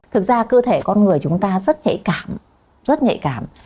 thực ra cơ thể con người chúng ta rất nhạy cảm rất nhạy cảm